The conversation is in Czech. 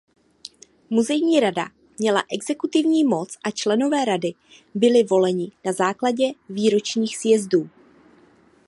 Muzejní rada měla exekutivní moc a členové rady byli voleni na základě výročních sjezdů.